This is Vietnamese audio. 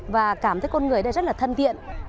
và cảm thấy con người ở đây rất là thân thiện